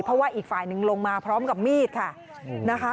เพราะว่าอีกฝ่ายหนึ่งลงมาพร้อมกับมีดค่ะนะคะ